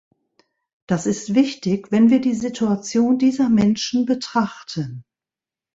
Das ist wichtig, wenn wir die Situation dieser Menschen betrachten.